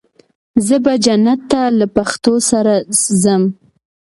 زه به جنت ته له پښتو سره ځم.